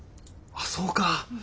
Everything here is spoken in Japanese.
あっそうか。